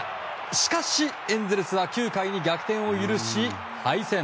しかし、エンゼルスは９回に逆転を許し敗戦。